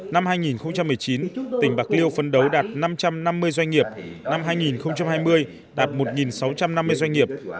năm hai nghìn một mươi chín tỉnh bạc liêu phân đấu đạt năm trăm năm mươi doanh nghiệp năm hai nghìn hai mươi đạt một sáu trăm năm mươi doanh nghiệp